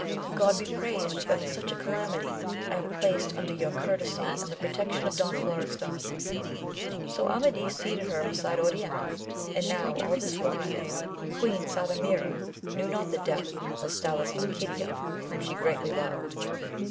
God be praised, that in such a calamity, I am placed under your cour tesy, and the protection of Don Florestan. So Amadis seated her beside Oriana ; now all this while, Queen Sardamira knew not the death of Salustanquidio, whom she greatly loved.